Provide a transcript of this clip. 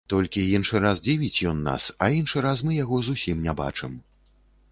Толькі іншы раз дзівіць ён нас, а іншы раз мы яго зусім не бачым.